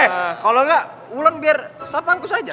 eh kalo engga ulan biar sapangkus aja